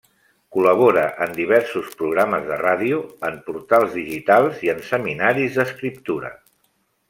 Col·labora en diversos programes de ràdio, en portals digitals i en seminaris d'escriptura.